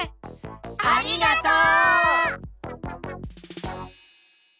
ありがとう！